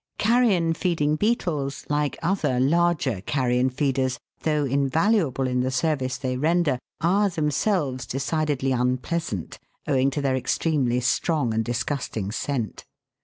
219 Carrion feeding beetles, like other larger carrion feeders, though invaluable in the service they render, are themselves decidedly unpleasant, owing to their extremely strong and disgusting scent.